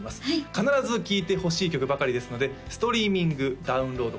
必ず聴いてほしい曲ばかりですのでストリーミングダウンロード